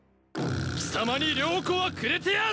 貴様に了子はくれてやる！